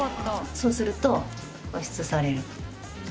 そうすると保湿される。